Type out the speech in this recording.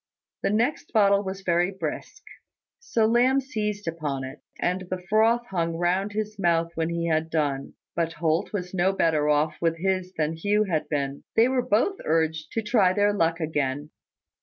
The next bottle was very brisk: so Lamb seized upon it; and the froth hung round his mouth when he had done: but Holt was no better off with his than Hugh had been. They were both urged to try their luck again.